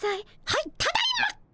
はいただいま！